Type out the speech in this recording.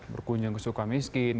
berkunjung ke sukhamiskin